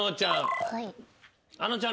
あのちゃん。